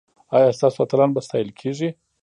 ایا ستاسو اتلان به ستایل کیږي؟